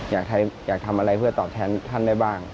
อยากทำอะไรเพื่อตอบแทนท่านได้บ้าง